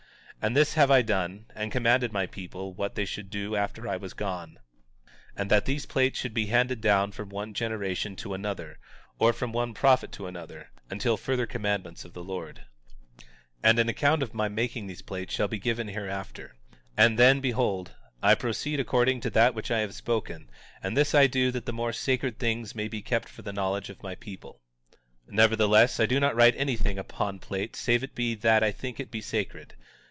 And this have I done, and commanded my people what they should do after I was gone; and that these plates should be handed down from one generation to another, or from one prophet to another, until further commandments of the Lord. 19:5 And an account of my making these plates shall be given hereafter; and then, behold, I proceed according to that which I have spoken; and this I do that the more sacred things may be kept for the knowledge of my people. 19:6 Nevertheless, I do not write anything upon plates save it be that I think it be sacred.